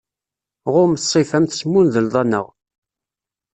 Ɣum, ṣṣifa-m tesmundleḍ allen-nneɣ.